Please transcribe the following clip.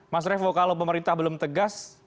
mas revo kalau pemerintah belum tegas